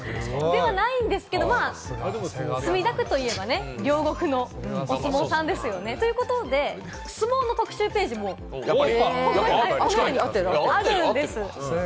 ではないんですけれども、まぁ、墨田区といえば両国のお相撲さんですよね、ということで相撲の特集ページもこのようにあるんです。